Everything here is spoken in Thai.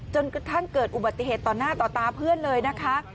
จนกระทั่งเกิดอุบัติเหตุต่อหน้าต่อตาเพื่อนเลยนะคะ